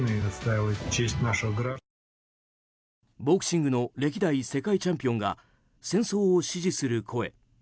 ボクシングの歴代世界チャンピオンが戦争を支持する声。